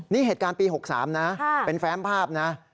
นี่เหตุการณ์ปี๖๓นะเป็นแฟมภาพนะ